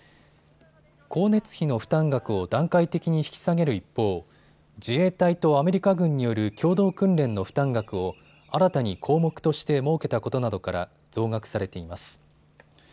光熱費の負担額を段階的に引き下げる一方、自衛隊とアメリカ軍による共同訓練の負担額を新たに項目として設けたことなどから増額されています。